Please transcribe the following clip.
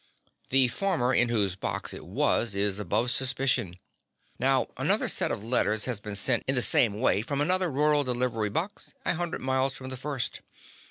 The farmer in whose box it was is above suspicion. Now another set of letters has been sent in the same way from another rural delivery box a hundred miles from the first.